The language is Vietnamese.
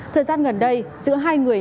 thời gian gần đây giữa hai người